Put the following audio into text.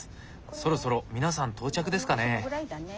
そろそろ皆さん到着ですかね？